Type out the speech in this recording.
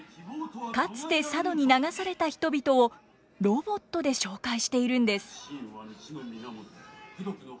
かつて佐渡に流された人々をロボットで紹介しているんです。